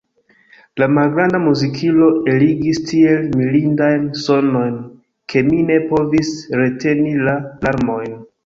La malgranda muzikilo eligis tiel mirindajn sonojn, ke mi ne povis reteni la larmojn.